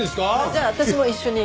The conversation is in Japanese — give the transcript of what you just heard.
じゃあ私も一緒に。